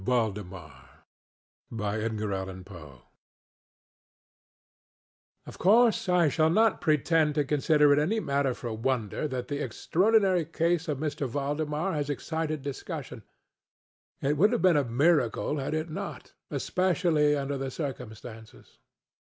VALDEMAR Of course I shall not pretend to consider it any matter for wonder, that the extraordinary case of M. Valdemar has excited discussion. It would have been a miracle had it notŌĆöespecially under the circumstances.